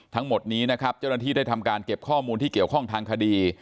ทั้งหมดนี้นะครับเจ้าหน้าที่ได้ทำการเก็บข้อมูลที่เกี่ยวข้องทางคดี